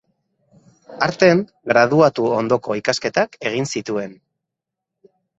Arten graduatu ondoko ikasketak egin zituen.